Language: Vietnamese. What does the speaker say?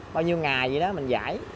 bao nhiêu ngày vậy đó mình giải